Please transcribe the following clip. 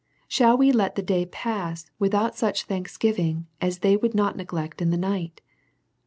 Shall we let the day pass without such thanksgivings as they would not neglect in the night?